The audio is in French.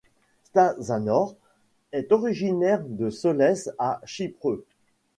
Stasanor est originaire de Soles à Chypre.